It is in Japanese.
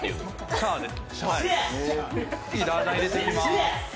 シャーです。